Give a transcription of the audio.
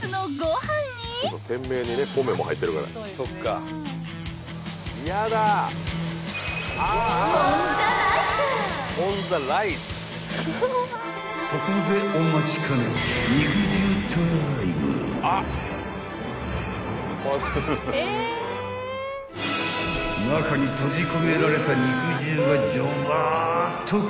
［中に閉じ込められた肉汁がジョバーっと解放］